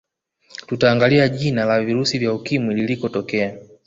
tutaangalia jina la virusi vya ukimwi liliko tokea